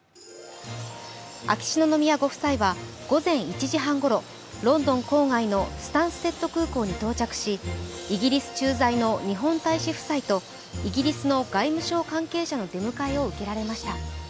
秋篠宮ご夫妻は午前１時半ごろロンドン郊外のスタンステッド空港に到着しイギリス駐在の日本大使夫妻とイギリスの外務省関係者の出迎えを受けられました。